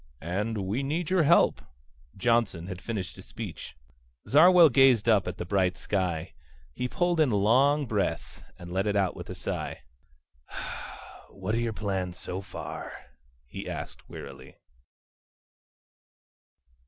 "... and we need your help." Johnson had finished his speech. Zarwell gazed up at the bright sky. He pulled in a long breath, and let it out in a sigh. "What are your plans so far?" he asked wearily.